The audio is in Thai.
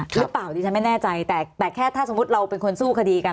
หรือเปล่าดิฉันไม่แน่ใจแต่แค่ถ้าสมมุติเราเป็นคนสู้คดีกัน